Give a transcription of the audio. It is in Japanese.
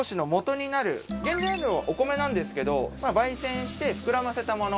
原材料はお米なんですけど焙煎して膨らませたもの。